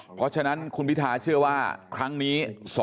เพราะฉะนั้นคุณพิทาเชื่อว่าครั้งนี้